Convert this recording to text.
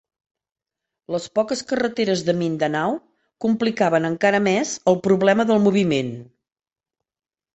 Les poques carreteres de Mindanao complicaven encara més el problema del moviment.